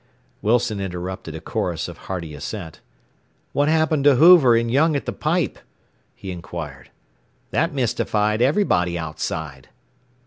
Wilson interrupted a chorus of hearty assent. "What happened to Hoover and Young at the pipe?" he inquired. "That mystified everybody outside."